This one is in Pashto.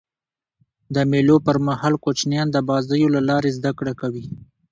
د مېلو پر مهال کوچنيان د بازيو له لاري زدهکړه کوي.